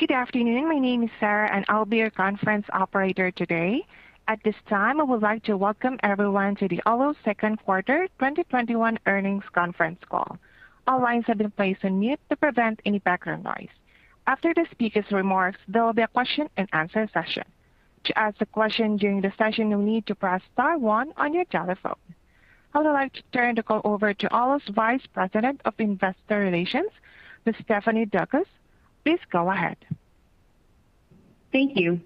Good afternoon. My name is Sarah, and I'll be your conference operator today. At this time, I would like to welcome everyone to the Olo Second Quarter 2021 Earnings Conference Call. All lines have been placed on mute to prevent any background noise. After the speakers' remarks, there will be a question-and-answer session. To ask a question during the session, you'll need to press star one on your telephone. I would like to turn the call over to Olo's Vice President of Investor Relations, Ms. Stephanie Daukus. Please go ahead. Thank you.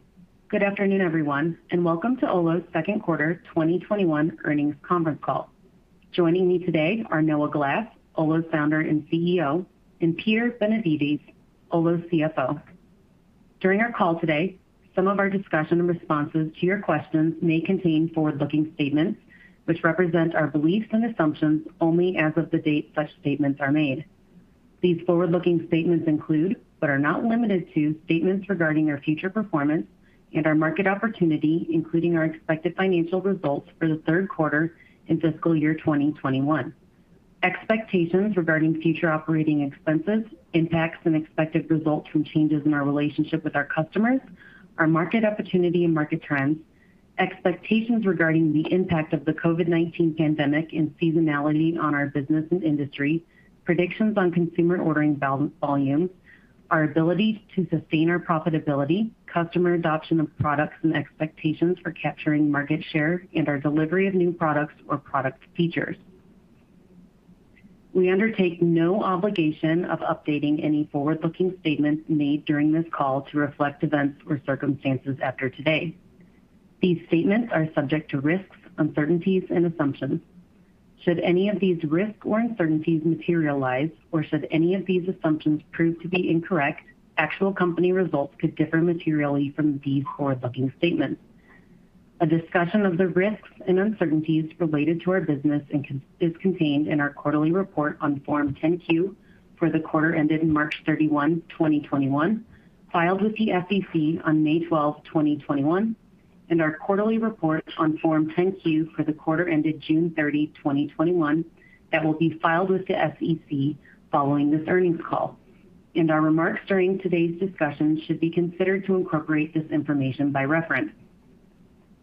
Good afternoon, everyone, and welcome to Olo's Second Quarter 2021 Earnings Conference Call. Joining me today are Noah Glass, Olo's Founder and CEO, and Peter Benevides, Olo's CFO. During our call today, some of our discussion and responses to your questions may contain forward-looking statements, which represent our beliefs and assumptions only as of the date such statements are made. These forward-looking statements include, but are not limited to, statements regarding our future performance and our market opportunity, including our expected financial results for the third quarter in fiscal year 2021. Expectations regarding future operating expenses, impacts and expected results from changes in our relationship with our customers, our market opportunity and market trends, expectations regarding the impact of the COVID-19 pandemic and seasonality on our business and industry, predictions on consumer ordering volumes, our ability to sustain our profitability, customer adoption of products and expectations for capturing market share, and our delivery of new products or product features. We undertake no obligation of updating any forward-looking statements made during this call to reflect events or circumstances after today. These statements are subject to risks, uncertainties and assumptions. Should any of these risks or uncertainties materialize, or should any of these assumptions prove to be incorrect, actual company results could differ materially from these forward-looking statements. A discussion of the risks and uncertainties related to our business is contained in our quarterly report on Form 10-Q for the quarter ended March 31, 2021, filed with the SEC on May 12, 2021, and our quarterly report on Form 10-Q for the quarter ended June 30, 2021, that will be filed with the SEC following this earnings call. Our remarks during today's discussion should be considered to incorporate this information by reference.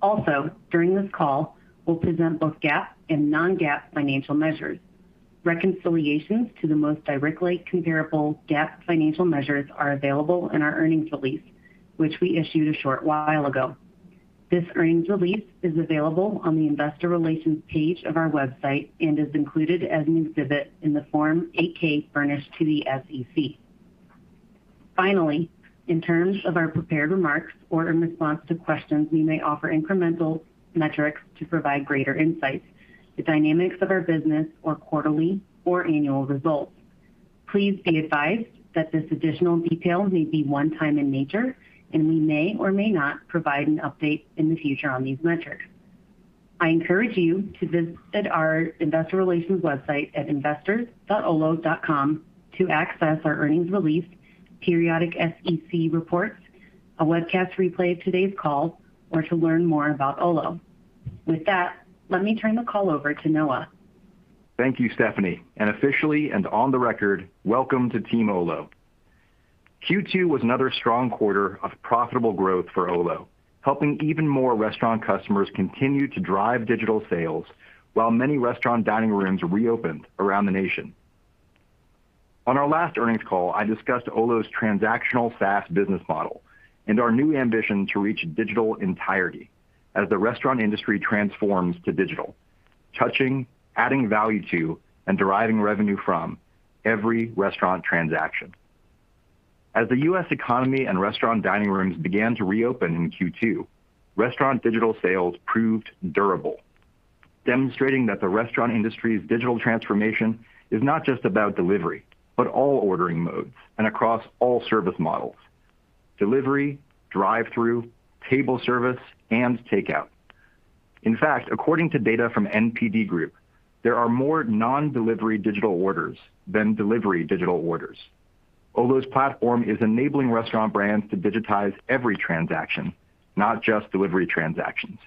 Also, during this call, we'll present both GAAP and non-GAAP financial measures. Reconciliations to the most directly comparable GAAP financial measures are available in our earnings release, which we issued a short while ago. This earnings release is available on the investor relations page of our website and is included as an exhibit in the Form 8-K furnished to the SEC. Finally, in terms of our prepared remarks or in response to questions, we may offer incremental metrics to provide greater insights to dynamics of our business or quarterly or annual results. Please be advised that this additional detail may be one-time in nature, and we may or may not provide an update in the future on these metrics. I encourage you to visit our investor relations website at investors.olo.com to access our earnings release, periodic SEC reports, a webcast replay of today's call, or to learn more about Olo. With that, let me turn the call over to Noah. Thank you, Stephanie, and officially and on the record, welcome to team Olo. Q2 was another strong quarter of profitable growth for Olo, helping even more restaurant customers continue to drive digital sales while many restaurant dining rooms reopened around the nation. On our last earnings call, I discussed Olo's transactional SaaS business model and our new ambition to reach digital entirety as the restaurant industry transforms to digital, touching, adding value to, and deriving revenue from every restaurant transaction. As the U.S. economy and restaurant dining rooms began to reopen in Q2, restaurant digital sales proved durable, demonstrating that the restaurant industry's digital transformation is not just about delivery, but all ordering modes and across all service models: delivery, drive-through, table service, and takeout. In fact, according to data from NPD Group, there are more non-delivery digital orders than delivery digital orders. Olo's platform is enabling restaurant brands to digitize every transaction, not just delivery transactions.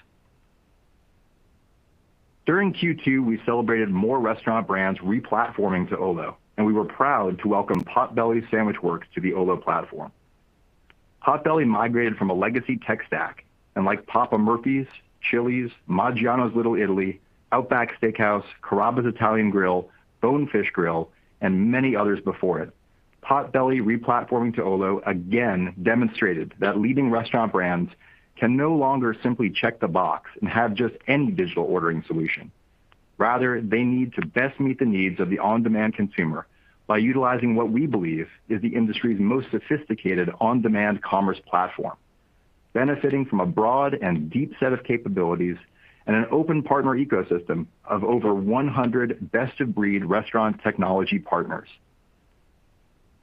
During Q2, we celebrated more restaurant brands replatforming to Olo, and we were proud to welcome Potbelly Sandwich Works to the Olo platform. Potbelly migrated from a legacy tech stack, and like Papa Murphy's, Chili's, Maggiano's Little Italy, Outback Steakhouse, Carrabba's Italian Grill, Bonefish Grill, and many others before it, Potbelly replatforming to Olo again demonstrated that leading restaurant brands can no longer simply check the box and have just any digital ordering solution. Rather, they need to best meet the needs of the on-demand consumer by utilizing what we believe is the industry's most sophisticated on-demand commerce platform, benefiting from a broad and deep set of capabilities and an open partner ecosystem of over 100 best-of-breed restaurant technology partners.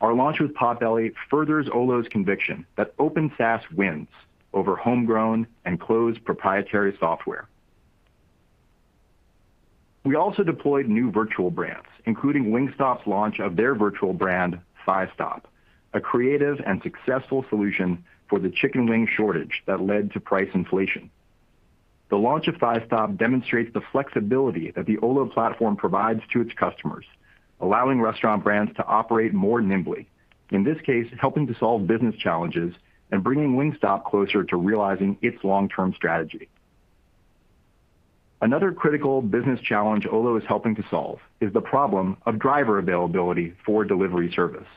Our launch with Potbelly furthers Olo's conviction that open SaaS wins over homegrown and closed proprietary software. We also deployed new virtual brands, including Wingstop's launch of their virtual brand, Thighstop, a creative and successful solution for the chicken wing shortage that led to price inflation. The launch of Thighstop demonstrates the flexibility that the Olo platform provides to its customers, allowing restaurant brands to operate more nimbly, in this case, helping to solve business challenges and bringing Wingstop closer to realizing its long-term strategy. Another critical business challenge Olo is helping to solve is the problem of driver availability for delivery service.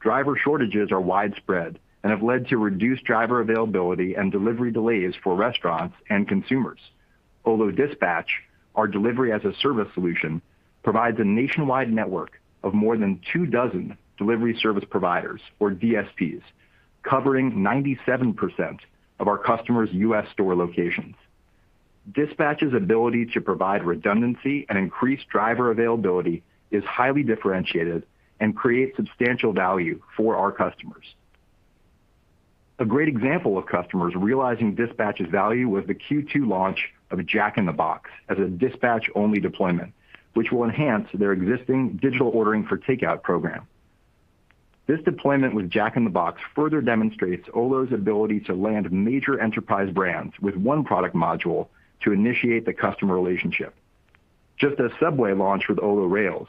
Driver shortages are widespread and have led to reduced driver availability and delivery delays for restaurants and consumers. Olo Dispatch, our delivery-as-a-service solution, provides a nationwide network of more than two dozen Delivery Service Providers, or DSPs, covering 97% of our customers' U.S. store locations. Dispatch's ability to provide redundancy and increase driver availability is highly differentiated and creates substantial value for our customers. A great example of customers realizing Dispatch's value was the Q2 launch of Jack in the Box as a Dispatch-only deployment, which will enhance their existing digital ordering for takeout program. This deployment with Jack in the Box further demonstrates Olo's ability to land major enterprise brands with one product module to initiate the customer relationship. Just as Subway launched with Olo Rails,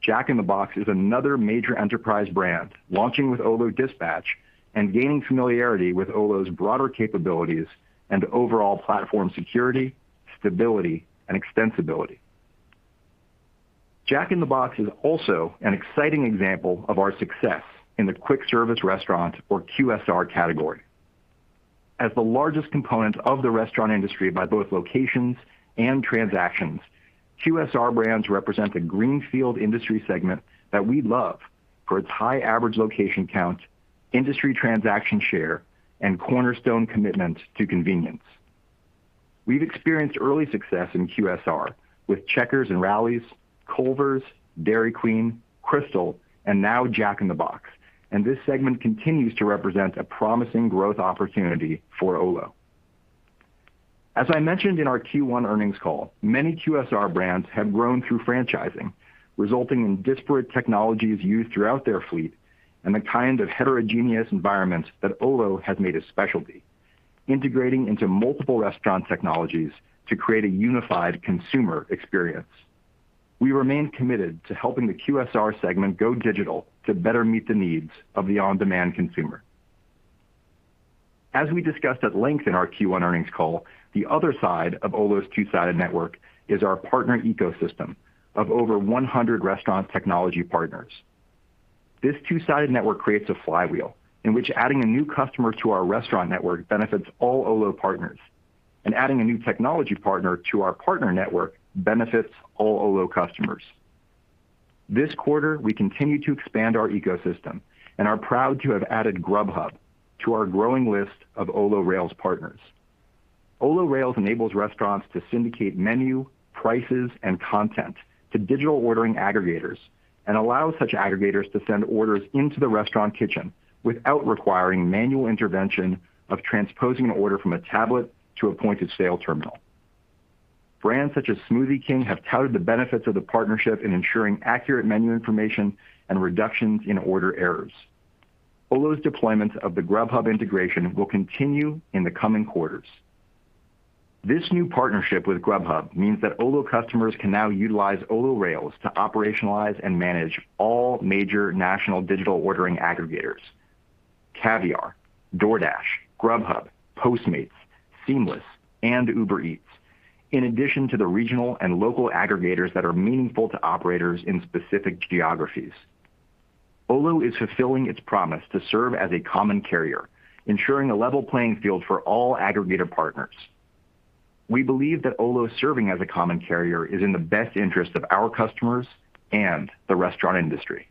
Jack in the Box is another major enterprise brand launching with Olo Dispatch and gaining familiarity with Olo's broader capabilities and overall platform security, stability, and extensibility. Jack in the Box is also an exciting example of our success in the quick service restaurant, or QSR category. As the largest component of the restaurant industry by both locations and transactions, QSR brands represent the greenfield industry segment that we love for its high average location count, industry transaction share, and cornerstone commitment to convenience. We've experienced early success in QSR with Checkers & Rally's, Culver's, Dairy Queen, Krystal, and now Jack in the Box, and this segment continues to represent a promising growth opportunity for Olo. As I mentioned in our Q1 earnings call, many QSR brands have grown through franchising, resulting in disparate technologies used throughout their fleet and the kind of heterogeneous environment that Olo has made a specialty, integrating into multiple restaurant technologies to create a unified consumer experience. We remain committed to helping the QSR segment go digital to better meet the needs of the on-demand consumer. As we discussed at length in our Q1 earnings call, the other side of Olo's two-sided network is our partner ecosystem of over 100 restaurant technology partners. This two-sided network creates a flywheel in which adding a new customer to our restaurant network benefits all Olo partners, and adding a new technology partner to our partner network benefits all Olo customers. This quarter, we continue to expand our ecosystem and are proud to have added Grubhub to our growing list of Olo Rails partners. Olo Rails enables restaurants to syndicate menu, prices, and content to digital ordering aggregators and allows such aggregators to send orders into the restaurant kitchen without requiring manual intervention of transposing an order from a tablet to a point-of-sale terminal. Brands such as Smoothie King have touted the benefits of the partnership in ensuring accurate menu information and reductions in order errors. Olo's deployments of the Grubhub integration will continue in the coming quarters. This new partnership with Grubhub means that Olo customers can now utilize Olo Rails to operationalize and manage all major national digital ordering aggregators, Caviar, DoorDash, Grubhub, Postmates, Seamless, and Uber Eats, in addition to the regional and local aggregators that are meaningful to operators in specific geographies. Olo is fulfilling its promise to serve as a common carrier, ensuring a level playing field for all aggregator partners. We believe that Olo serving as a common carrier is in the best interest of our customers and the restaurant industry.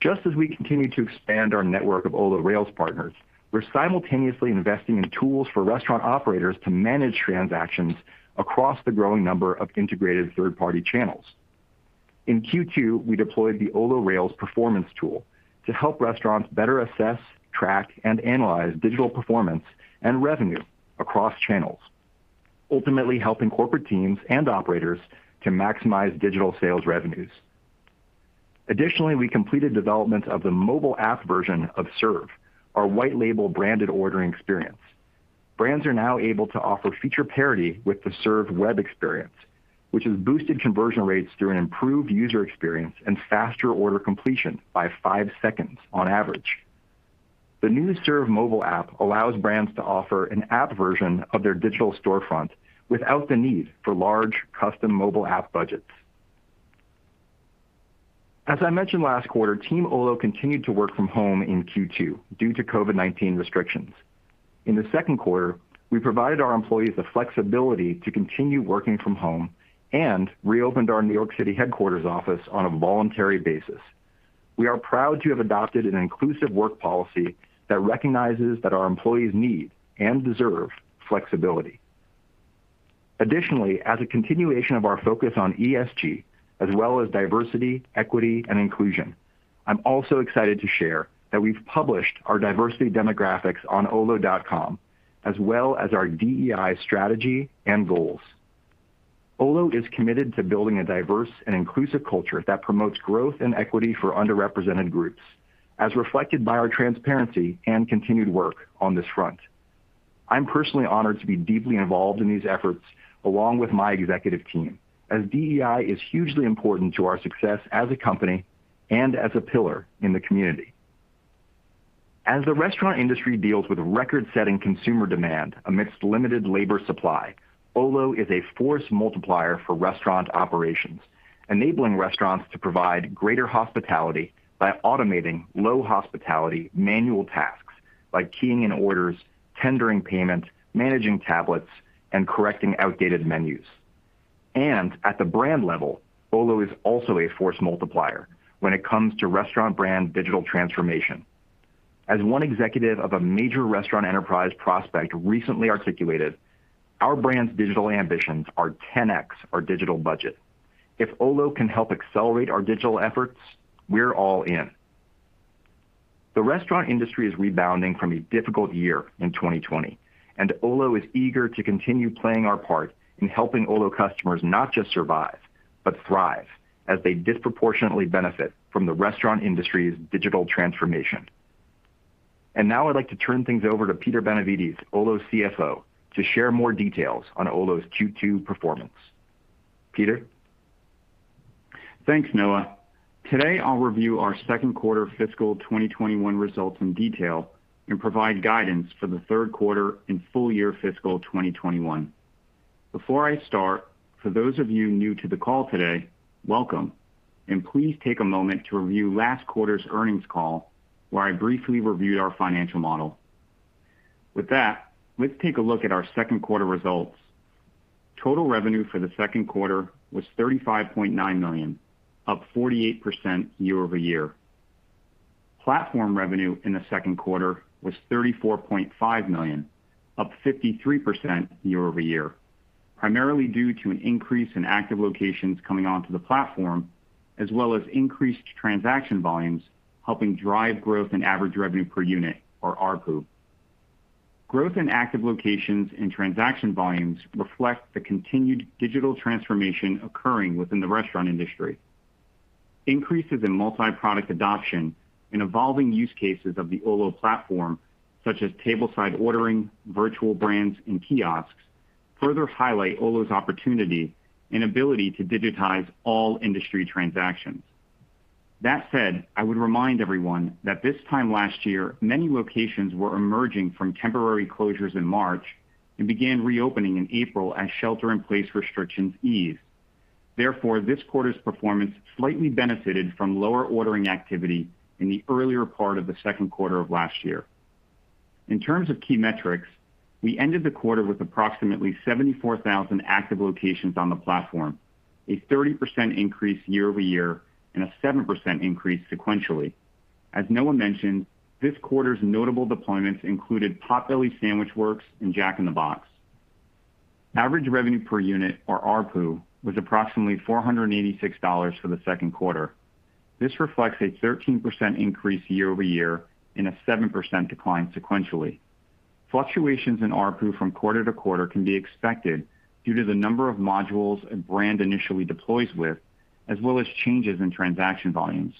Just as we continue to expand our network of Olo Rails partners, we're simultaneously investing in tools for restaurant operators to manage transactions across the growing number of integrated third-party channels. In Q2, we deployed the Olo Rails performance tool to help restaurants better assess, track, and analyze digital performance and revenue across channels, ultimately helping corporate teams and operators to maximize digital sales revenues. Additionally, we completed development of the mobile app version of Serve, our white-label branded ordering experience. Brands are now able to offer feature parity with the Serve web experience, which has boosted conversion rates through an improved user experience and faster order completion by five seconds on average. The new Serve mobile app allows brands to offer an app version of their digital storefront without the need for large custom mobile app budgets. As I mentioned last quarter, team Olo continued to work from home in Q2 due to COVID-19 restrictions. In the second quarter, we provided our employees the flexibility to continue working from home and reopened our New York City headquarters office on a voluntary basis. We are proud to have adopted an inclusive work policy that recognizes that our employees need and deserve flexibility. Additionally, as a continuation of our focus on ESG as well as diversity, equity, and inclusion, I'm also excited to share that we've published our diversity demographics on olo.com, as well as our DEI strategy and goals. Olo is committed to building a diverse and inclusive culture that promotes growth and equity for underrepresented groups, as reflected by our transparency and continued work on this front. I'm personally honored to be deeply involved in these efforts along with my executive team, as DEI is hugely important to our success as a company and as a pillar in the community. As the restaurant industry deals with record-setting consumer demand amidst limited labor supply, Olo is a force multiplier for restaurant operations, enabling restaurants to provide greater hospitality by automating low hospitality manual tasks like keying in orders, tendering payment, managing tablets, and correcting outdated menus. At the brand level, Olo is also a force multiplier when it comes to restaurant brand digital transformation. As one executive of a major restaurant enterprise prospect recently articulated, "Our brand's digital ambitions are 10x our digital budget." If Olo can help accelerate our digital efforts, we're all in. The restaurant industry is rebounding from a difficult year in 2020, Olo is eager to continue playing our part in helping Olo customers not just survive, but thrive as they disproportionately benefit from the restaurant industry's digital transformation. I'd like to turn things over to Peter Benevides, Olo's CFO, to share more details on Olo's Q2 performance. Peter? Thanks, Noah. Today, I'll review our second quarter fiscal 2021 results in detail and provide guidance for the third quarter and full year fiscal 2021. Before I start, for those of you new to the call today, welcome, and please take a moment to review last quarter's earnings call, where I briefly reviewed our financial model. With that, let's take a look at our second quarter results. Total revenue for the second quarter was $35.9 million, up 48% year-over-year. Platform revenue in the second quarter was $34.5 million, up 53% year-over-year, primarily due to an increase in active locations coming onto the platform, as well as increased transaction volumes helping drive growth in Average Revenue Per Unit, or ARPU. Growth in active locations and transaction volumes reflect the continued digital transformation occurring within the restaurant industry. Increases in multi-product adoption and evolving use cases of the Olo platform, such as tableside ordering, virtual brands, and kiosks, further highlight Olo's opportunity and ability to digitize all industry transactions. That said, I would remind everyone that this time last year, many locations were emerging from temporary closures in March and began reopening in April as shelter-in-place restrictions eased. Therefore, this quarter's performance slightly benefited from lower ordering activity in the earlier part of the second quarter of last year. In terms of key metrics, we ended the quarter with approximately 74,000 active locations on the platform, a 30% increase year-over-year, and a 7% increase sequentially. As Noah mentioned, this quarter's notable deployments included Potbelly Sandwich Works and Jack in the Box. Average Revenue Per Unit, or ARPU, was approximately $486 for the second quarter. This reflects a 13% increase year-over-year and a 7% decline sequentially. Fluctuations in ARPU from quarter to quarter can be expected due to the number of modules a brand initially deploys with, as well as changes in transaction volumes.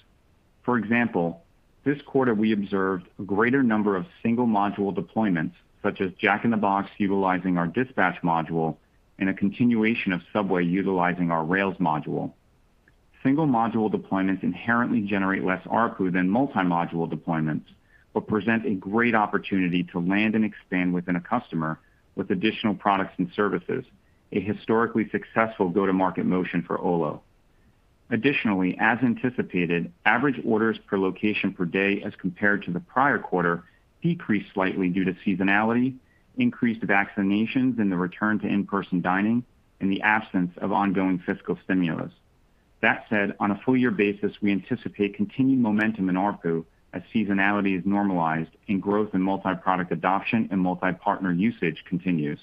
For example, this quarter we observed a greater number of single-module deployments, such as Jack in the Box utilizing our Dispatch module and a continuation of Subway utilizing our Rails module. Single-module deployments inherently generate less ARPU than multi-module deployments but present a great opportunity to land and expand within a customer with additional products and services, a historically successful go-to-market motion for Olo. Additionally, as anticipated, average orders per location per day as compared to the prior quarter decreased slightly due to seasonality, increased vaccinations and the return to in-person dining, and the absence of ongoing fiscal stimulus. That said, on a full year basis, we anticipate continued momentum in ARPU as seasonality is normalized and growth in multi-product adoption and multi-partner usage continues.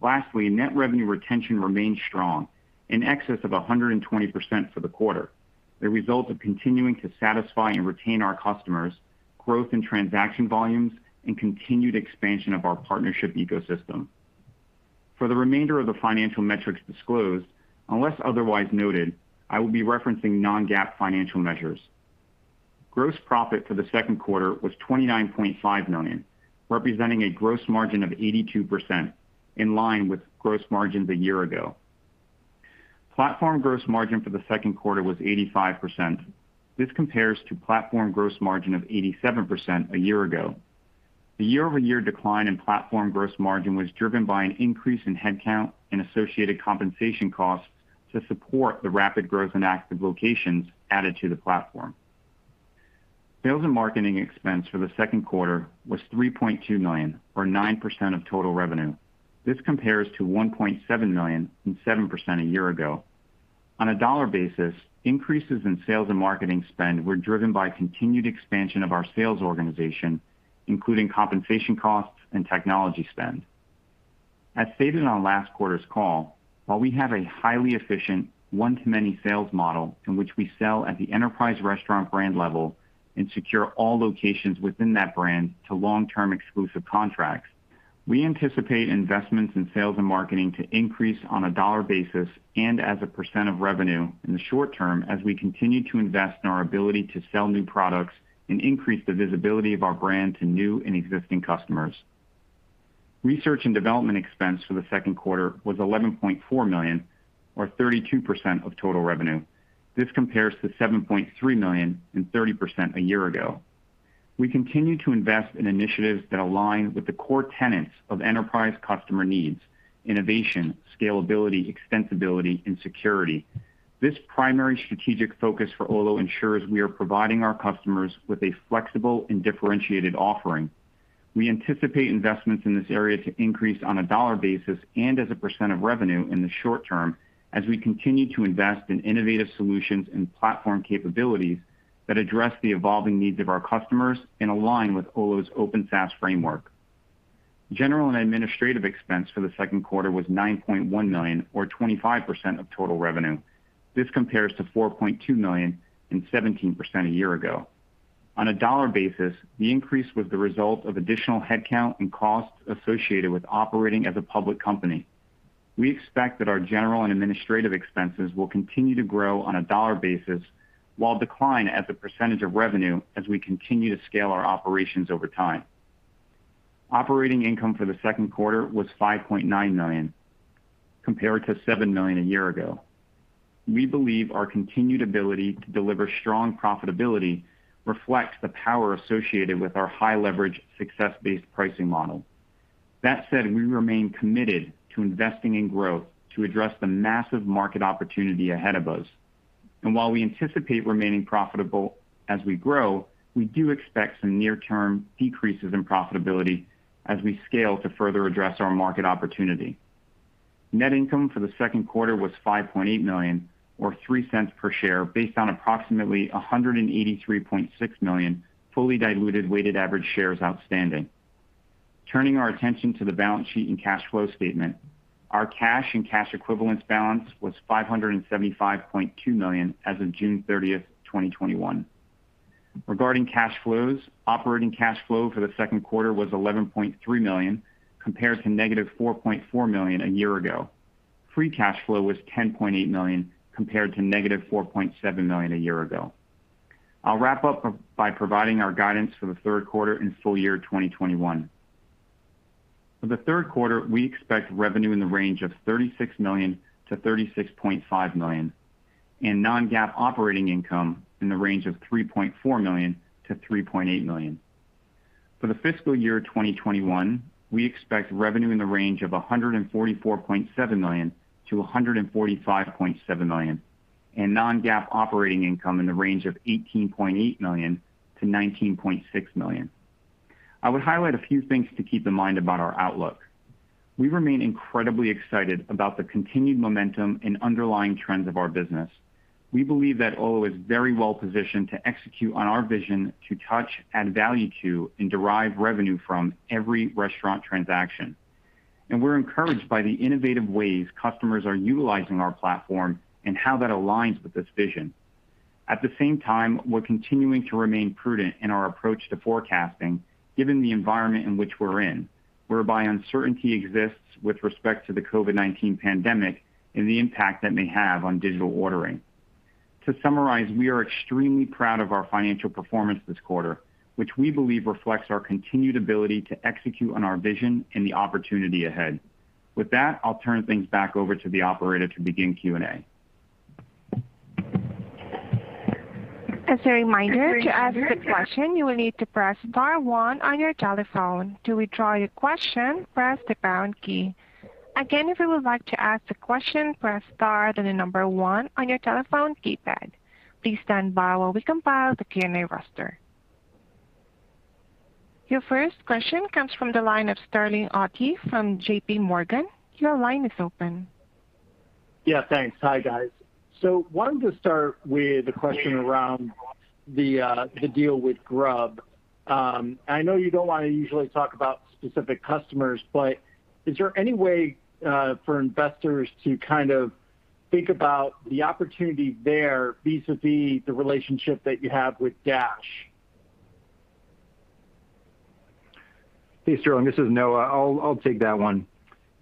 Lastly, net revenue retention remains strong, in excess of 120% for the quarter. The result of continuing to satisfy and retain our customers, growth in transaction volumes, and continued expansion of our partnership ecosystem. For the remainder of the financial metrics disclosed, unless otherwise noted, I will be referencing non-GAAP financial measures. Gross profit for the second quarter was $29.5 million, representing a gross margin of 82%, in line with gross margins a year ago. Platform gross margin for the second quarter was 85%. This compares to platform gross margin of 87% a year ago. The year-over-year decline in platform gross margin was driven by an increase in headcount and associated compensation costs to support the rapid growth in active locations added to the platform. Sales and marketing expense for the second quarter was $3.2 million or 9% of total revenue. This compares to $1.7 million and 7% a year ago. On a dollar basis, increases in sales and marketing spend were driven by continued expansion of our sales organization, including compensation costs and technology spend. As stated on last quarter's call, while we have a highly efficient one-to-many sales model in which we sell at the enterprise restaurant brand level and secure all locations within that brand to long-term exclusive contracts. We anticipate investments in sales and marketing to increase on a dollar basis and as a percentage of revenue in the short term, as we continue to invest in our ability to sell new products and increase the visibility of our brand to new and existing customers. Research and development expense for the second quarter was $11.4 million, or 32% of total revenue. This compares to $7.3 million and 30% a year ago. We continue to invest in initiatives that align with the core tenets of enterprise customer needs, innovation, scalability, extensibility, and security. This primary strategic focus for Olo ensures we are providing our customers with a flexible and differentiated offering. We anticipate investments in this area to increase on a dollar basis and as a percentage of revenue in the short term as we continue to invest in innovative solutions and platform capabilities that address the evolving needs of our customers and align with Olo's open SaaS framework. General and administrative expense for the second quarter was $9.1 million or 25% of total revenue. This compares to $4.2 million and 17% a year ago. On a dollar basis, the increase was the result of additional headcount and costs associated with operating as a public company. We expect that our general and administrative expenses will continue to grow on a dollar basis while decline as a percentage of revenue as we continue to scale our operations over time. Operating income for the second quarter was $5.9 million, compared to $7 million a year ago. We believe our continued ability to deliver strong profitability reflects the power associated with our high-leverage success-based pricing model. That said, we remain committed to investing in growth to address the massive market opportunity ahead of us. While we anticipate remaining profitable as we grow, we do expect some near-term decreases in profitability as we scale to further address our market opportunity. Net income for the second quarter was $5.8 million or $0.03 per share based on approximately $183.6 million fully diluted weighted average shares outstanding. Turning our attention to the balance sheet and cash flow statement. Our cash and cash equivalents balance was $575.2 million as of June 30th, 2021. Regarding cash flows, operating cash flow for the second quarter was $11.3 million compared to negative $4.4 million a year ago. Free cash flow was $10.8 million compared to negative $4.7 million a year ago. I'll wrap up by providing our guidance for the third quarter and full year 2021. For the third quarter, we expect revenue in the range of $36 million-$36.5 million, and non-GAAP operating income in the range of $3.4 million-$3.8 million. For the fiscal year 2021, we expect revenue in the range of $144.7 million-$145.7 million, and non-GAAP operating income in the range of $18.8 million-$19.6 million. I would highlight a few things to keep in mind about our outlook. We remain incredibly excited about the continued momentum and underlying trends of our business. We believe that Olo is very well positioned to execute on our vision to touch, add value to, and derive revenue from every restaurant transaction. We're encouraged by the innovative ways customers are utilizing our platform and how that aligns with this vision. At the same time, we're continuing to remain prudent in our approach to forecasting given the environment in which we're in, whereby uncertainty exists with respect to the COVID-19 pandemic and the impact that may have on digital ordering. To summarize, we are extremely proud of our financial performance this quarter, which we believe reflects our continued ability to execute on our vision and the opportunity ahead. With that, I'll turn things back over to the operator to begin Q&A. As a reminder, to ask a question, you will need to press star one on your telephone. To withdraw your question, press the pound key. Again if you would like to ask a question, press star then the number one on your telephone keypad. Please standby while we compile the Q&A roster. Your first question comes from the line of Sterling Auty from JPMorgan. Your line is open. Yeah, thanks. Hi, guys. Wanted to start with a question around the deal with Grubhub. I know you don't want to usually talk about specific customers, but is there any way for investors to kind of think about the opportunity there vis-a-vis the relationship that you have with DoorDash? Hey, Sterling, this is Noah. I'll take that one.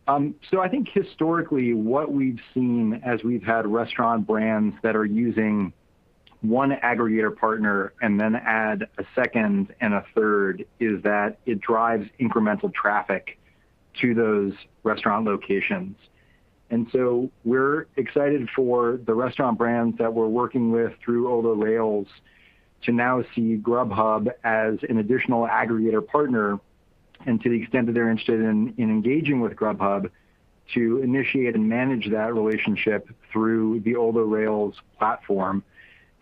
I think historically, what we've seen as we've had restaurant brands that are using one aggregator partner and then add a second and a third, is that it drives incremental traffic to those restaurant locations. We're excited for the restaurant brands that we're working with through Olo Rails to now see Grubhub as an additional aggregator partner, and to the extent that they're interested in engaging with Grubhub, to initiate and manage that relationship through the Olo Rails platform.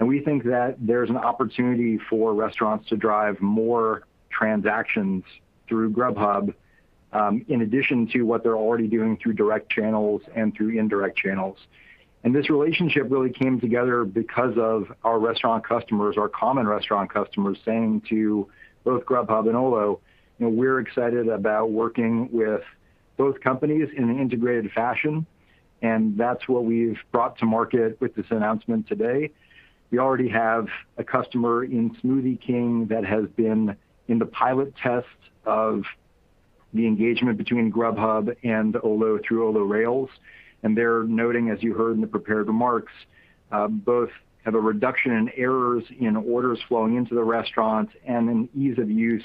We think that there's an opportunity for restaurants to drive more transactions through Grubhub, in addition to what they're already doing through direct channels and through indirect channels. This relationship really came together because of our restaurant customers, our common restaurant customers saying to both Grubhub and Olo. We're excited about working with both companies in an integrated fashion. That's what we've brought to market with this announcement today. We already have a customer in Smoothie King that has been in the pilot test of the engagement between Grubhub and Olo through Olo Rails, and they're noting, as you heard in the prepared remarks, both have a reduction in errors in orders flowing into the restaurant, and an ease of use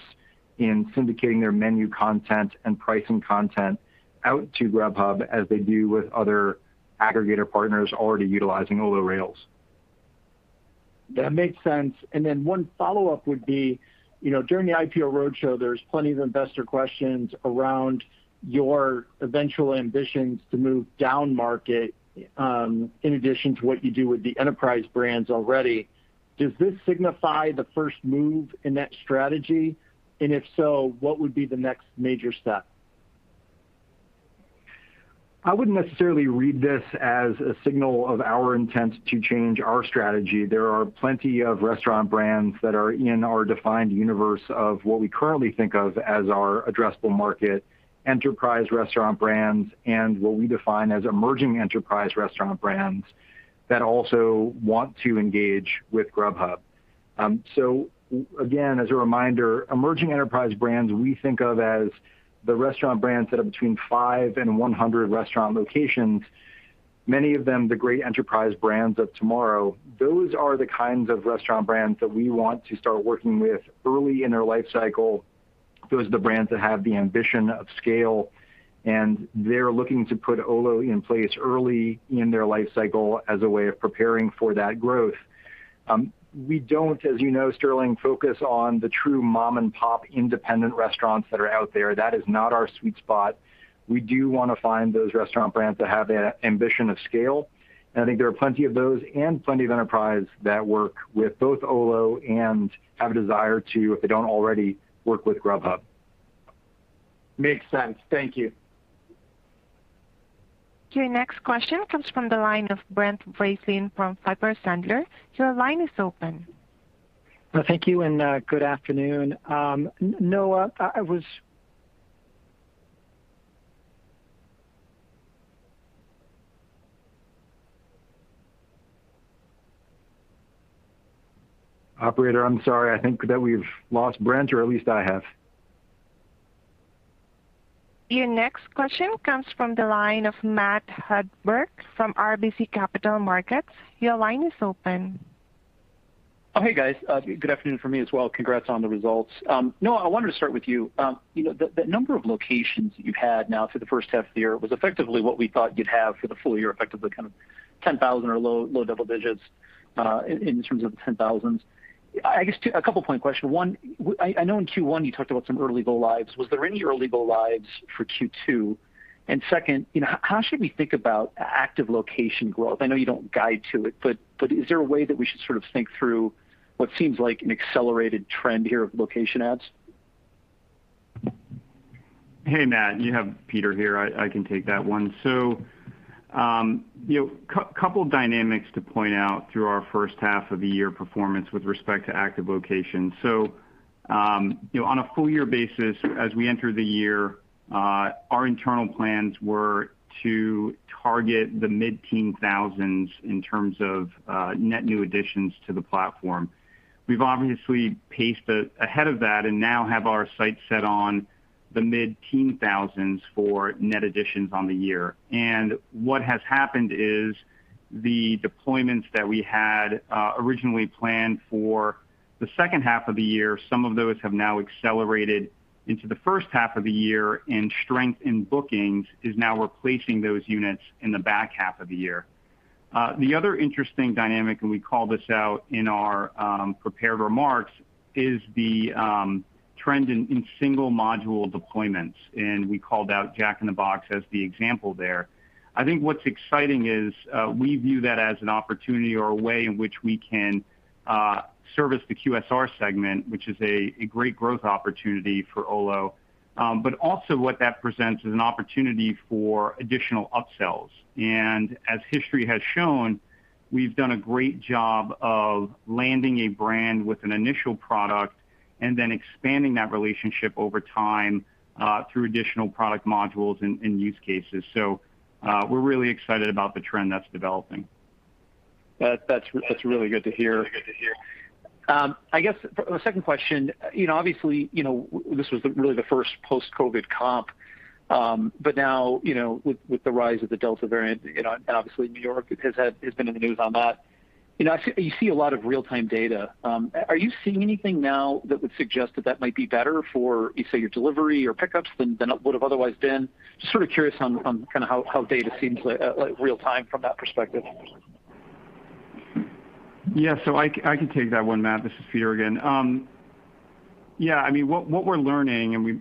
in syndicating their menu content and pricing content out to Grubhub as they do with other aggregator partners already utilizing Olo Rails. That makes sense. One follow-up would be, during the IPO roadshow, there's plenty of investor questions around your eventual ambitions to move down market, in addition to what you do with the enterprise brands already. Does this signify the first move in that strategy? If so, what would be the next major step? I wouldn't necessarily read this as a signal of our intent to change our strategy. There are plenty of restaurant brands that are in our defined universe of what we currently think of as our addressable market, enterprise restaurant brands, and what we define as emerging enterprise restaurant brands that also want to engage with Grubhub. Again, as a reminder, emerging enterprise brands, we think of as the restaurant brands that have between five and 100 restaurant locations. Many of them, the great enterprise brands of tomorrow. Those are the kinds of restaurant brands that we want to start working with early in their life cycle. Those are the brands that have the ambition of scale, and they're looking to put Olo in place early in their life cycle as a way of preparing for that growth. We don't, as you know, Sterling, focus on the true mom-and-pop independent restaurants that are out there. That is not our sweet spot. We do want to find those restaurant brands that have that ambition of scale, and I think there are plenty of those and plenty of enterprise that work with both Olo and have a desire to, if they don't already, work with Grubhub. Makes sense. Thank you. Your next question comes from the line of Brent Bracelin from Piper Sandler. Your line is open. Thank you, and good afternoon. Noah. Operator, I'm sorry. I think that we've lost Brent, or at least I have. Your next question comes from the line of Matt Hedberg from RBC Capital Markets. Your line is open. Hey, guys. Good afternoon from me as well. Congrats on the results. Noah, I wanted to start with you. The number of locations that you've had now through the first half of the year was effectively what we thought you'd have for the full year, effectively kind of 10,000 or low-double digits, in terms of the 10,000s. I guess a couple of point question. One, I know in Q1 you talked about some early go-lives. Was there any early go-lives for Q2? Second, how should we think about active location growth? I know you don't guide to it, but is there a way that we should sort of think through what seems like an accelerated trend here of location adds? Hey, Matt. You have Peter here. I can take that one. Couple of dynamics to point out through our first half of the year performance with respect to active locations. On a full year basis as we enter the year, our internal plans were to target the mid-teen thousands in terms of net new additions to the platform. We've obviously paced ahead of that, and now have our sights set on the mid-teen thousands for net additions on the year. What has happened is the deployments that we had originally planned for the second half of the year, some of those have now accelerated into the first half of the year, and strength in bookings is now replacing those units in the back half of the year. The other interesting dynamic, and we called this out in our prepared remarks, is the trend in single module deployments, and we called out Jack in the Box as the example there. I think what's exciting is we view that as an opportunity or a way in which we can service the QSR segment, which is a great growth opportunity for Olo. Also what that presents is an opportunity for additional up-sells. As history has shown, we've done a great job of landing a brand with an initial product, and then expanding that relationship over time, through additional product modules and use cases. We're really excited about the trend that's developing. That's really good to hear. I guess the second question, obviously, this was really the first post-COVID comp. Now, with the rise of the Delta variant, and obviously New York has been in the news on that. You see a lot of real-time data. Are you seeing anything now that would suggest that that might be better for, say, your delivery or pickups than it would've otherwise been? Just sort of curious on how data seems like real time from that perspective. Yeah, I can take that one, Matt. This is Peter again. Yeah, what we're learning, and we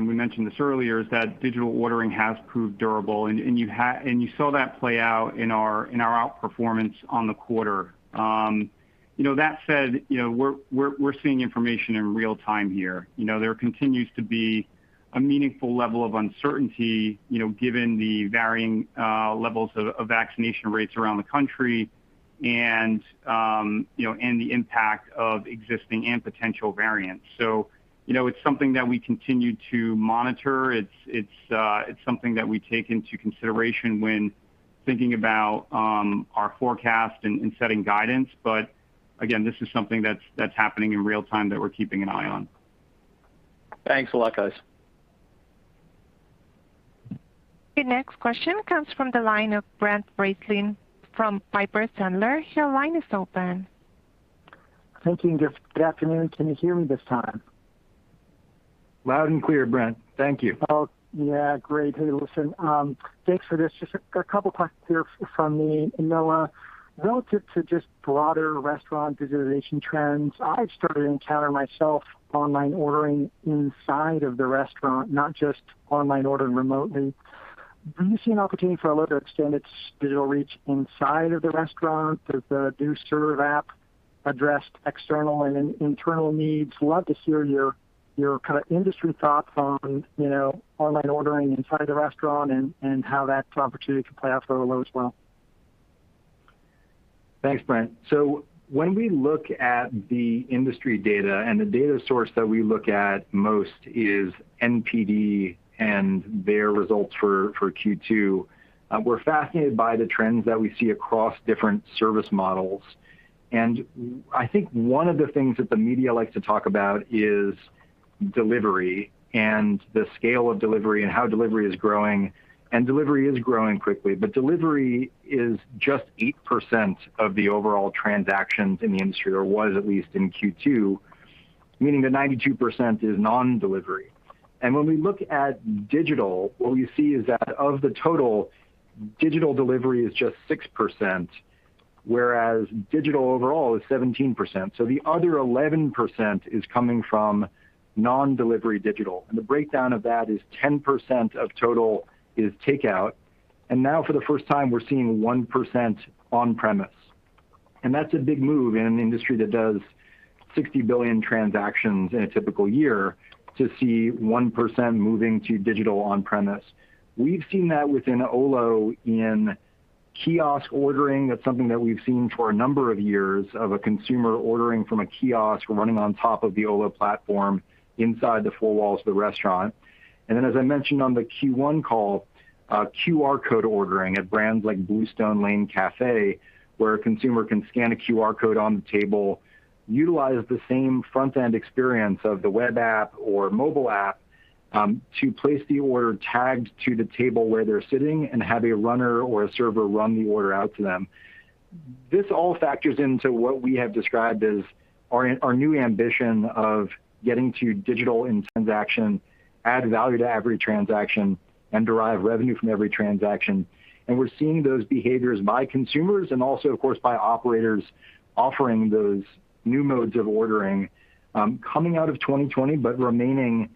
mentioned this earlier, is that digital ordering has proved durable, and you saw that play out in our outperformance on the quarter. That said, we're seeing information in real time here. There continues to be a meaningful level of uncertainty, given the varying levels of vaccination rates around the country. The impact of existing and potential variants. It's something that we continue to monitor. It's something that we take into consideration when thinking about our forecast and setting guidance. Again, this is something that's happening in real-time that we're keeping an eye on. Thanks a lot, guys. Your next question comes from the line of Brent Bracelin from Piper Sandler. Your line is open. Thank you. Good afternoon. Can you hear me this time? Loud and clear, Brent. Thank you. Oh, yeah. Great. Hey, listen. Thanks for this. Just a couple questions here from me. Noah, relative to just broader restaurant digitization trends, I've started encountering myself online ordering inside of the restaurant, not just online ordering remotely. Do you see an opportunity for Olo to extend its digital reach inside of the restaurant? Does the Olo Serve app address external and internal needs? Love to hear your industry thoughts on online ordering inside the restaurant and how that opportunity could play out for Olo as well. Thanks, Brent. When we look at the industry data, and the data source that we look at most is NPD and their results for Q2, we're fascinated by the trends that we see across different service models. I think one of the things that the media likes to talk about is delivery and the scale of delivery and how delivery is growing. Delivery is growing quickly. Delivery is just 8% of the overall transactions in the industry, or was at least in Q2, meaning that 92% is non-delivery. When we look at digital, what we see is that of the total, digital delivery is just 6%, whereas digital overall is 17%. The other 11% is coming from non-delivery digital, and the breakdown of that is 10% of total is takeout. Now for the first time, we're seeing 1% on-premise. That's a big move in an industry that does 60 billion transactions in a typical year to see 1% moving to digital on-premise. We've seen that within Olo in kiosk ordering. That's something that we've seen for a number of years, of a consumer ordering from a kiosk running on top of the Olo platform inside the four walls of the restaurant. Then, as I mentioned on the Q1 call, QR code ordering at brands like Bluestone Lane cafe, where a consumer can scan a QR code on the table, utilize the same front-end experience of the web app or mobile app, to place the order tagged to the table where they're sitting and have a runner or a server run the order out to them. This all factors into what we have described as our new ambition of getting to digital in transaction, add value to every transaction, and derive revenue from every transaction. We're seeing those behaviors by consumers and also, of course, by operators offering those new modes of ordering, coming out of 2020, but remaining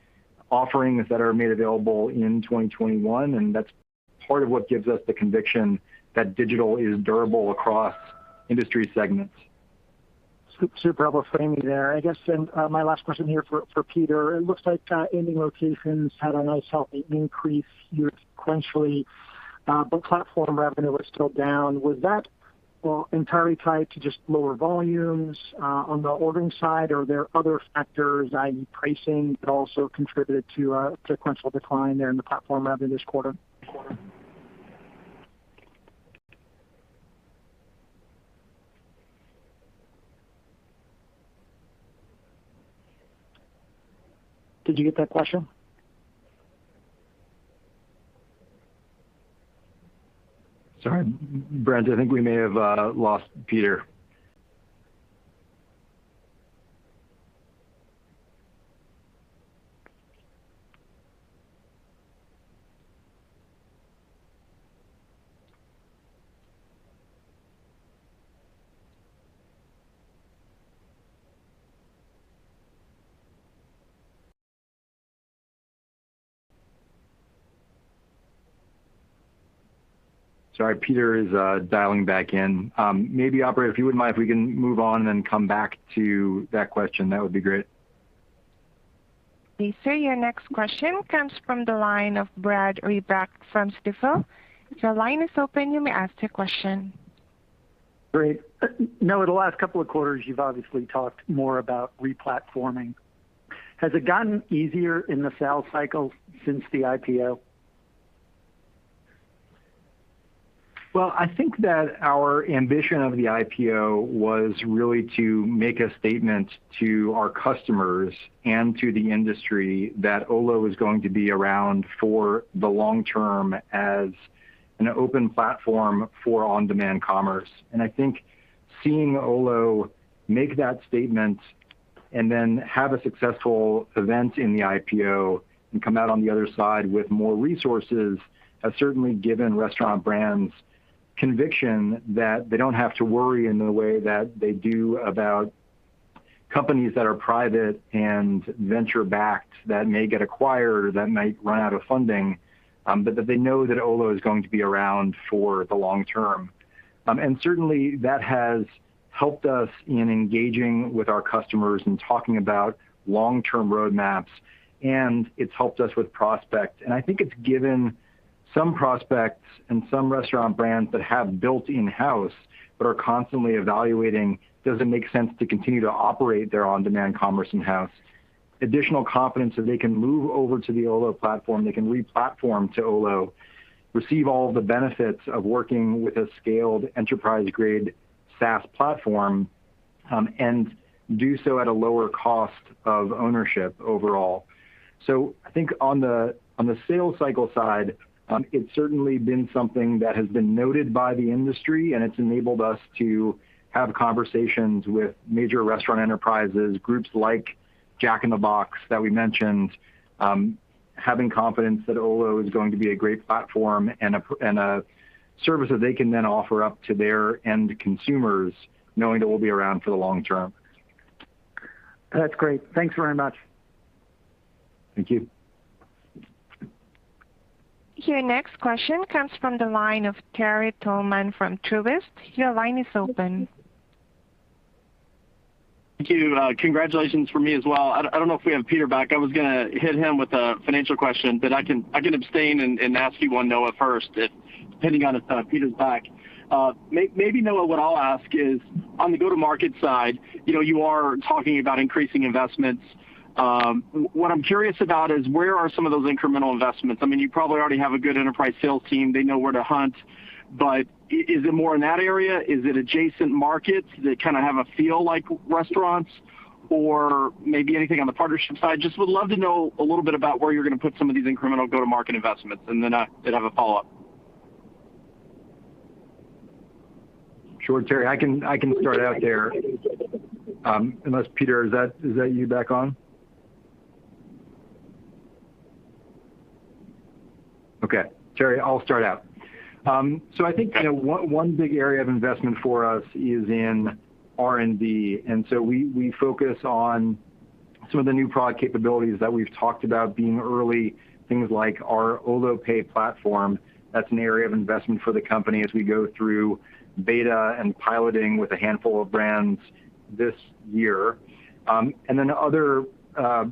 offerings that are made available in 2021, and that's part of what gives us the conviction that digital is durable across industry segments. Superb framing there. I guess my last question here for Peter. It looks like ending locations had a nice, healthy increase year sequentially, but platform revenue was still down. Was that entirely tied to just lower volumes on the ordering side, or are there other factors, i.e. pricing, that also contributed to a sequential decline there in the platform revenue this quarter? Did you get that question? Sorry, Brent, I think we may have lost Peter. Sorry, Peter is dialing back in. Maybe, operator, if you wouldn't mind, if we can move on and come back to that question, that would be great. Okay, sir, your next question comes from the line of Brad Reback from Stifel. Your line is open. You may ask your question. Great. Noah, the last couple of quarters you've obviously talked more about re-platforming. Has it gotten easier in the sales cycle since the IPO? Well, I think that our ambition of the IPO was really to make a statement to our customers and to the industry that Olo is going to be around for the long term as an open platform for on-demand commerce. I think seeing Olo make that statement and then have a successful event in the IPO and come out on the other side with more resources, has certainly given restaurant brands conviction that they don't have to worry in the way that they do about companies that are private and venture-backed that may get acquired or that might run out of funding. They know that Olo is going to be around for the long term. Certainly that has helped us in engaging with our customers and talking about long-term roadmaps, and it's helped us with prospect. I think it's given some prospects and some restaurant brands that have built in-house but are constantly evaluating, does it make sense to continue to operate their on-demand commerce in-house, additional confidence that they can move over to the Olo platform. They can re-platform to Olo, receive all the benefits of working with a scaled enterprise-grade SaaS platform, and do so at a lower cost of ownership overall. I think on the sales cycle side, it's certainly been something that has been noted by the industry, and it's enabled us to have conversations with major restaurant enterprises, groups like Jack in the Box that we mentioned, having confidence that Olo is going to be a great platform and a service that they can then offer up to their end consumers knowing that we'll be around for the long term. That's great. Thanks very much. Thank you. Your next question comes from the line of Terry Tillman from Truist. Your line is open. Thank you. Congratulations from me as well. I don't know if we have Peter back. I was going to hit him with a financial question, but I can abstain and ask you one, Noah, first, depending on if Peter's back. Maybe, Noah, what I'll ask is on the go-to-market side, you are talking about increasing investments. What I'm curious about is where are some of those incremental investments? You probably already have a good enterprise sales team. They know where to hunt, but is it more in that area? Is it adjacent markets that kind of have a feel like restaurants or maybe anything on the partnership side? Just would love to know a little bit about where you're going to put some of these incremental go-to-market investments, and then I did have a follow-up. Sure, Terry. I can start out there. Unless Peter, is that you back on? Okay. Terry, I'll start out. I think one big area of investment for us is in R&D, and so we focus on some of the new product capabilities that we've talked about being early, things like our Olo Pay platform. That's an area of investment for the company as we go through beta and piloting with a handful of brands this year. Other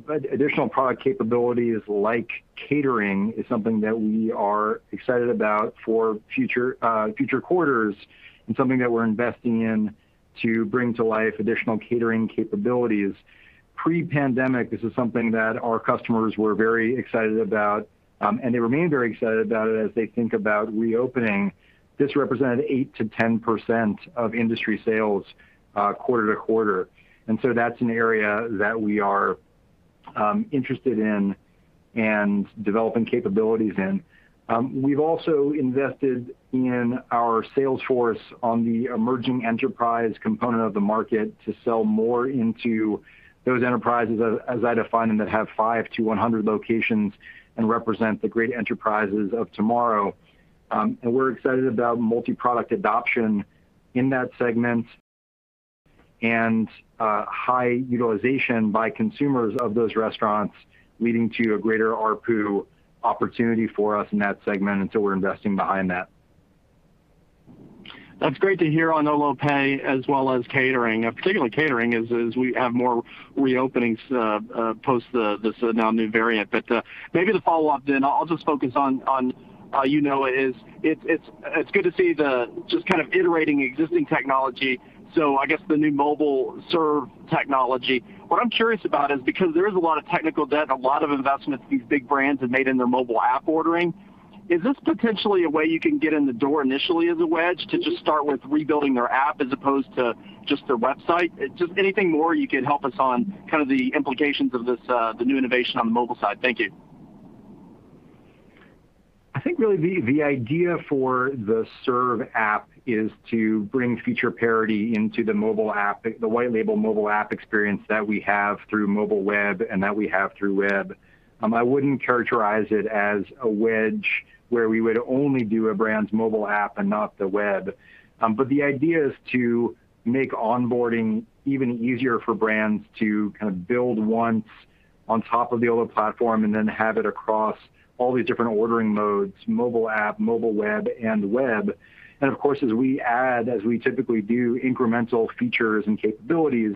additional product capabilities like catering is something that we are excited about for future quarters and something that we're investing in to bring to life additional catering capabilities. Pre-pandemic, this is something that our customers were very excited about, and they remain very excited about it as they think about reopening. This represented 8%-10% of industry sales quarter-to-quarter. That's an area that we are interested in and developing capabilities in. We've also invested in our sales force on the emerging enterprise component of the market to sell more into those enterprises, as I define them, that have 5-100 locations and represent the great enterprises of tomorrow. We're excited about multi-product adoption in that segment and high utilization by consumers of those restaurants leading to a greater ARPU opportunity for us in that segment. We're investing behind that. That's great to hear on Olo Pay as well as catering. Particularly catering as we have more reopenings post this now new variant. Maybe the follow-up then, I'll just focus on you, Noah, is it's good to see the just kind of iterating existing technology, so I guess the new mobile Serve technology. What I'm curious about is because there is a lot of technical debt and a lot of investments these big brands have made in their mobile app ordering, is this potentially a way you can get in the door initially as a wedge to just start with rebuilding their app as opposed to just their website? Just anything more you could help us on kind of the implications of the new innovation on the mobile side. Thank you. I think really the idea for the Serve app is to bring feature parity into the white label mobile app experience that we have through mobile web and that we have through web. I wouldn't characterize it as a wedge where we would only do a brand's mobile app and not the web. The idea is to make onboarding even easier for brands to kind of build once on top of the Olo platform and then have it across all these different ordering modes, mobile app, mobile web, and web. Of course, as we add, as we typically do incremental features and capabilities,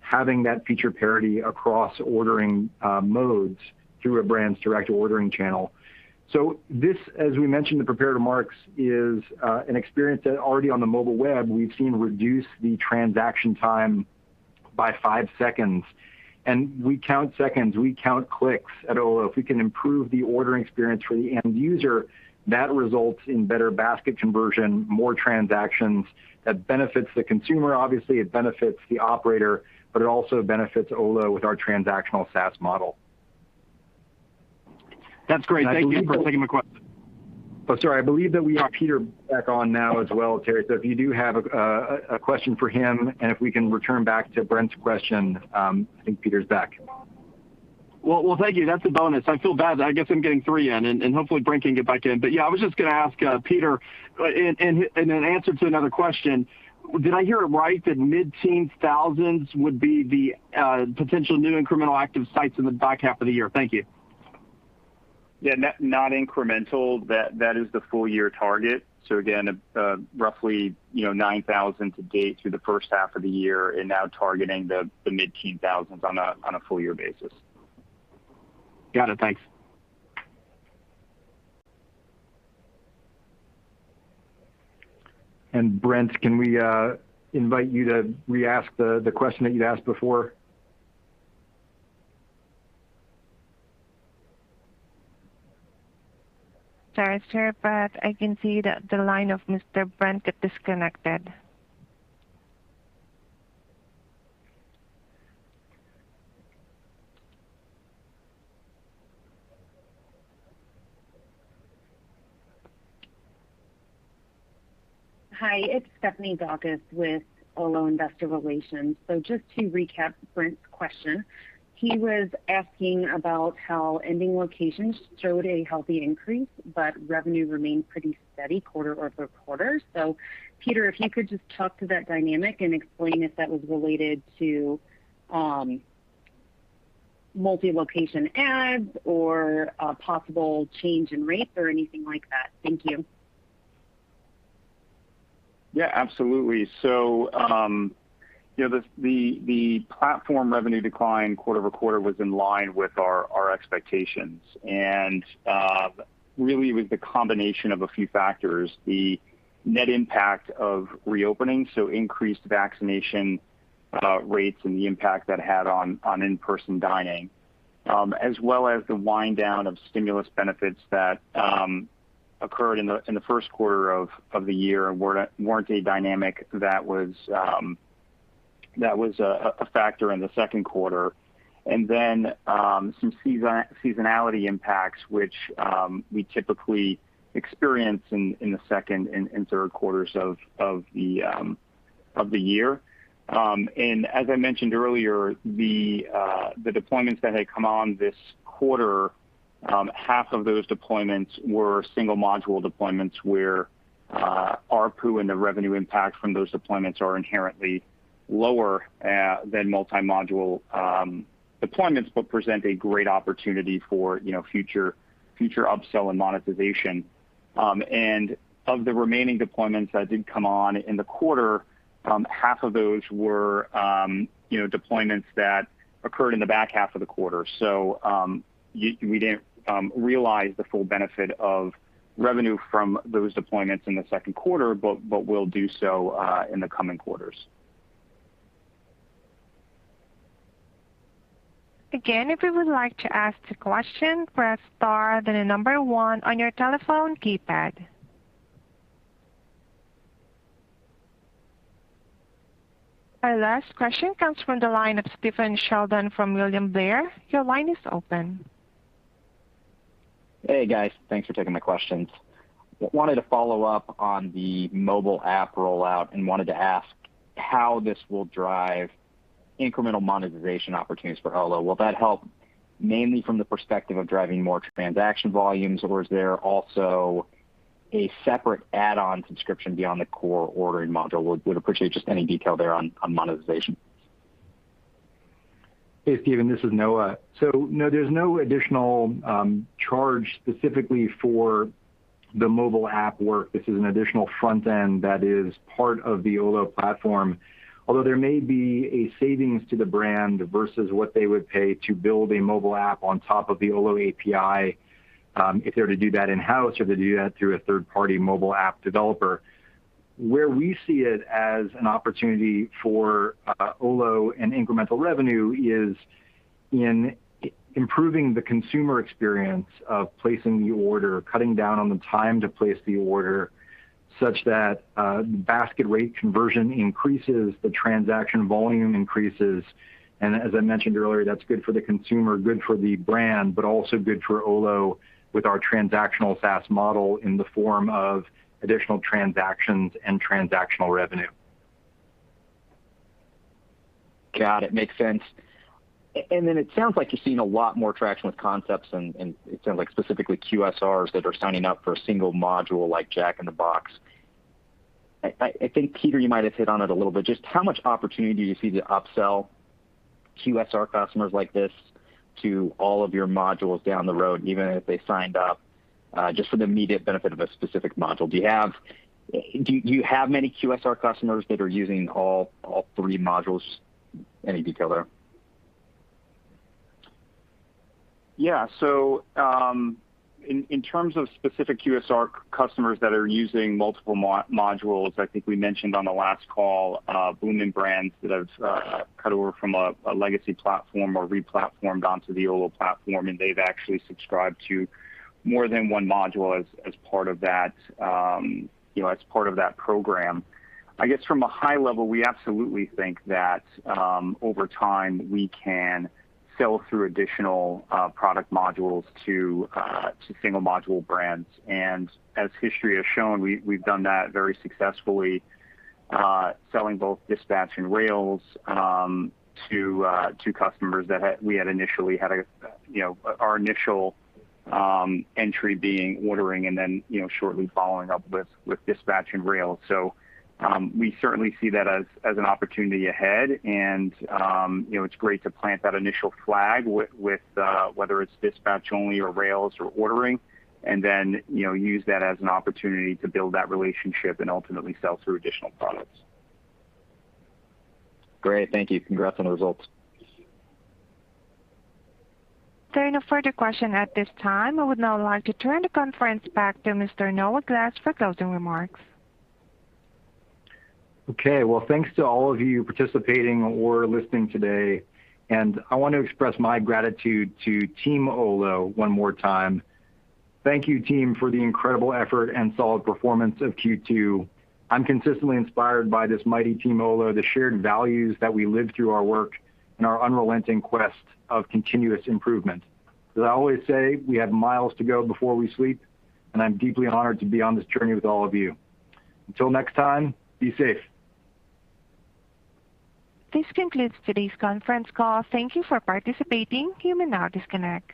having that feature parity across ordering modes through a brand's direct ordering channel. This, as we mentioned in prepared remarks, is an experience that already on the mobile web, we've seen reduce the transaction time by five seconds, and we count seconds. We count clicks at Olo. If we can improve the ordering experience for the end user, that results in better basket conversion, more transactions. That benefits the consumer, obviously, it benefits the operator, but it also benefits Olo with our transactional SaaS model. That's great. Thank you for taking my question. Sorry. I believe that we have Peter back on now as well, Terry. If you do have a question for him, and if we can return back to Brent's question, I think Peter's back. Well, thank you. That's a bonus. I feel bad that I guess I'm getting three in, and hopefully Brent can get back in. Yeah, I was just going to ask Peter, in an answer to another question, did I hear it right that mid-teen thousands would be the potential new incremental active sites in the back half of the year? Thank you. Yeah. Not incremental, that is the full year target. Again, roughly 9,000 to date through the first half of the year, and now targeting the mid teen thousands on a full year basis. Got it. Thanks. Brent, can we invite you to re-ask the question that you'd asked before? Sorry, sir. I can see that the line of Mr. Brent got disconnected. Hi, it's Stephanie Daukus with Olo Investor Relations. Just to recap Brent's question, he was asking about how ending locations showed a healthy increase, but revenue remained pretty steady quarter-over-quarter. Peter, if you could just talk to that dynamic and explain if that was related to multi-location adds or a possible change in rates or anything like that. Thank you. Yeah, absolutely. The platform revenue decline quarter-over-quarter was in line with our expectations and really was the combination of a few factors. The net impact of reopening, increased vaccination rates and the impact that had on in-person dining, as well as the wind down of stimulus benefits that occurred in the first quarter of the year and weren't a dynamic that was a factor in the second quarter. Some seasonality impacts, which we typically experience in the second and third quarters of the year. As I mentioned earlier, the deployments that had come on this quarter, half of those deployments were single module deployments where ARPU and the revenue impact from those deployments are inherently lower than multi-module deployments, but present a great opportunity for future upsell and monetization. Of the remaining deployments that did come on in the quarter, half of those were deployments that occurred in the back half of the quarter. We didn't realize the full benefit of revenue from those deployments in the second quarter, but will do so in the coming quarters. Again, if you would like to ask a question, press star then the number one on your telephone keypad. Our last question comes from the line of Stephen Sheldon from William Blair. Your line is open. Hey, guys. Thanks for taking my questions. Wanted to follow up on the mobile app rollout and wanted to ask how this will drive incremental monetization opportunities for Olo. Will that help mainly from the perspective of driving more transaction volumes, or is there also a separate add-on subscription beyond the core ordering module? Would appreciate just any detail there on monetization. Hey, Stephen. This is Noah. No, there's no additional charge specifically for the mobile app work. This is an additional front end that is part of the Olo platform, although there may be a savings to the brand versus what they would pay to build a mobile app on top of the Olo API, if they were to do that in-house or to do that through a third-party mobile app developer. Where we see it as an opportunity for Olo and incremental revenue is in improving the consumer experience of placing the order, cutting down on the time to place the order, such that basket rate conversion increases, the transaction volume increases, and as I mentioned earlier, that's good for the consumer, good for the brand, but also good for Olo with our transactional SaaS model in the form of additional transactions and transactional revenue. Got it. Makes sense. It sounds like you're seeing a lot more traction with concepts and it sounds like specifically QSRs that are signing up for a single module like Jack in the Box. I think, Peter, you might have hit on it a little bit. Just how much opportunity do you see to upsell QSR customers like this to all of your modules down the road, even if they signed up just for the immediate benefit of a specific module? Do you have many QSR customers that are using all three modules? Any detail there? In terms of specific QSR customers that are using multiple modules, I think we mentioned on the last call, Bloomin' Brands that have cut over from a legacy platform or replatformed onto the Olo platform, and they've actually subscribed to more than one module as part of that program. I guess from a high level, we absolutely think that over time, we can sell through additional product modules to single module brands. As history has shown, we've done that very successfully, selling both Dispatch and Rails to customers that our initial entry being Ordering and then shortly following up with Dispatch and Rails. We certainly see that as an opportunity ahead and it's great to plant that initial flag, whether it's Dispatch only or Rails or Ordering, and then use that as an opportunity to build that relationship and ultimately sell through additional products. Great. Thank you. Congrats on the results. There are no further question at this time. I would now like to turn the conference back to Mr. Noah Glass for closing remarks. Okay. Well, thanks to all of you participating or listening today, and I want to express my gratitude to team Olo one more time. Thank you team for the incredible effort and solid performance of Q2. I'm consistently inspired by this mighty team Olo, the shared values that we live through our work, and our unrelenting quest of continuous improvement. As I always say, we have miles to go before we sleep, and I'm deeply honored to be on this journey with all of you. Until next time, be safe. This concludes today's conference call. Thank you for participating. You may now disconnect.